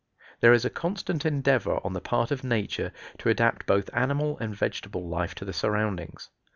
There is a constant endeavor on the part of nature to adapt both animal and vegetable life to the surroundings.